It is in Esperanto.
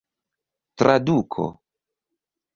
traduko